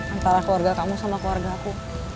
antara keluarga kamu sama keluarga aku